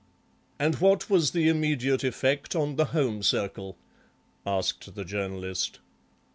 "And what was the immediate effect on the home circle?" asked the Journalist.